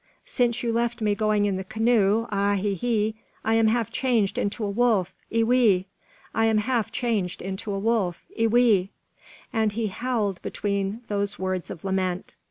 Since you left me going in the canoe, a he ee, I am half changed into a wolf, E wee. I am half changed into a wolf, E wee!" And he howled between these words of lament.